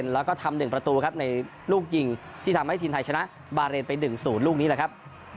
แล้วก็ทำ๑ประตูครับในลูกยิงที่ทำให้ทีมไทยชนะบาเรนไป๑๐ลูกนี้แหละครับ